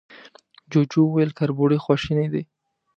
جوجو وويل، کربوړی خواشينی دی.